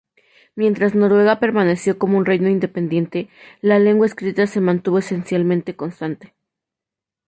Mientras Noruega permaneció como un reino independiente, la lengua escrita se mantuvo esencialmente constante.